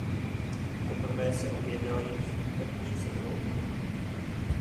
Poprvé se objevila již v první sezóně.